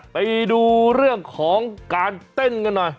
ไปดูเรื่องของการเต้นกันหน่อย